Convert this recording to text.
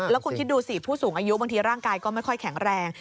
แล้วคุณคิดดูสิผู้สูงอายุบางทีร่างกายก็ไม่ค่อยแข็งแรง